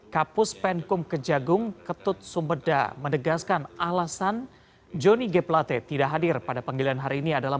kapus penkum kejagung ketut sumberda menegaskan alasan johnny g pelate tidak hadir pada penggilaan hari ini adalah